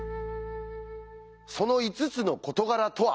その５つの事柄とは？